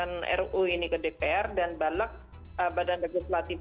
nah ini harus naik